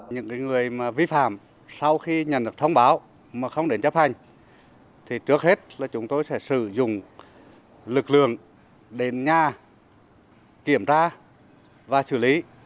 những người vi phạm sau khi nhận được thông báo mà không đến chấp hành thì trước hết là chúng tôi sẽ sử dụng lực lượng đến nhà kiểm tra và xử lý